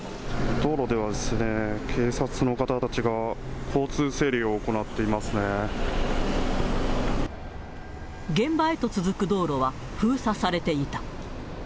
道路では警察の方たちが交通現場へと続く道路は封鎖されていた。